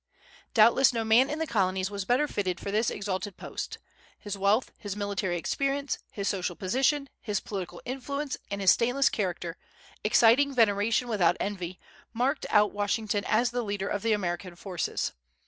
Doubtless, no man in the Colonies was better fitted for this exalted post. His wealth, his military experience, his social position, his political influence, and his stainless character, exciting veneration without envy, marked out Washington as the leader of the American forces.